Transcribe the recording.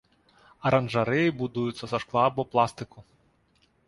Аранжарэі будуюцца са шкла або пластыку.